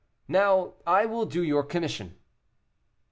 Now, I will do your commission."